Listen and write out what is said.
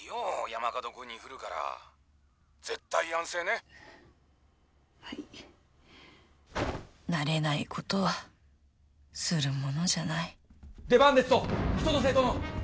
山門君に振るから☎絶対安静ねはい慣れないことはするものじゃない出番ですぞ春夏秋冬殿